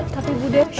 tapi bu de